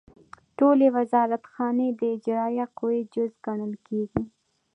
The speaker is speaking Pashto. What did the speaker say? ټولې وزارتخانې د اجرائیه قوې جز ګڼل کیږي.